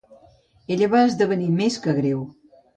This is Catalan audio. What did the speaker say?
Ella va esdevenir més que greu.